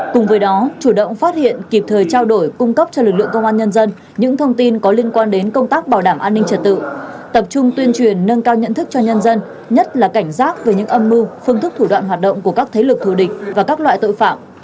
cùng với đó chủ động phát hiện kịp thời trao đổi cung cấp cho lực lượng công an nhân dân những thông tin có liên quan đến công tác bảo đảm an ninh trật tự tập trung tuyên truyền nâng cao nhận thức cho nhân dân nhất là cảnh giác về những âm mưu phương thức thủ đoạn hoạt động của các thế lực thù địch và các loại tội phạm